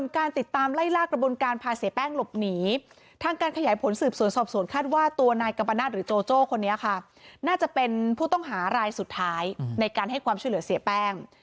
การช่วยเหลือเสียแป้ง